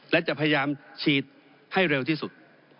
และจะพยายามฉีดให้เร็วที่สุด